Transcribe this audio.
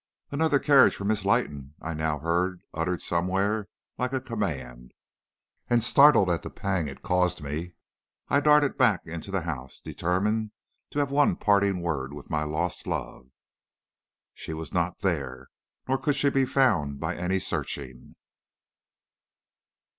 "'Another carriage for Miss Leighton!' I now heard uttered somewhere like a command. And startled at the pang it caused me, I darted back into the house, determined to have one parting word with my lost love. "She was not there, nor could she be found by any searching."